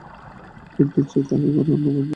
কুদ্দুস, যে থাকে ঘরের অন্য প্রান্তে, সেও উঠে এসেছে।